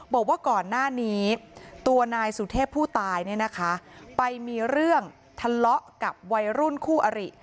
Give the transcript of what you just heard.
บอกว่าก่อนหน้านี้ตัวนายสุเทพผู้ตายเนี่ยนะคะไปมีเรื่องทะเลาะกับวัยรุ่นคู่อริ